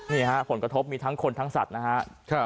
นี่ฮะผลกระทบมีทั้งคนทั้งสัตว์นะฮะ